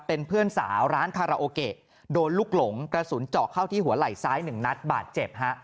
เป็นเพื่อนสาวร้านคาราโอเกะโดนลูกหลงกระสุนเจาะเข้าที่หัวไหล่ซ้ายหนึ่งนัดบาดเจ็บฮะ